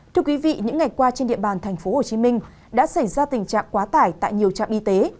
thưa quý vị những ngày qua trên địa bàn tp hcm đã xảy ra tình trạng quá tải tại nhiều trạm y tế